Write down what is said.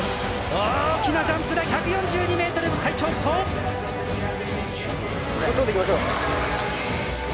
大きなジャンプで１４２ｍ最長不倒！